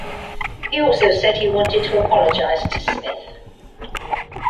He also said he wanted to apologize to Smith.